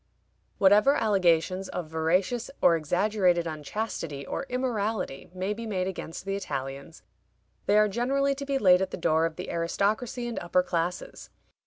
Whatever allegations of veracious or exaggerated unchastity or immorality may be made against the Italians, they are generally to be laid at the door of the aristocracy and upper classes.